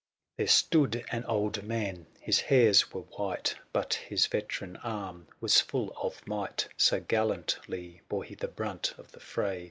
735 There stood an old man — his hairs were white, But his veteran arm was full of might So gallantly bore he the brunt of the fray.